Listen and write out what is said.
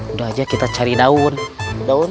udah aja kita cari daun daun